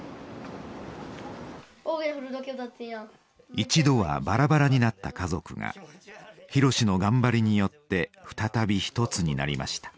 一度はバラバラになった家族が博のがんばりによって再び一つになりました。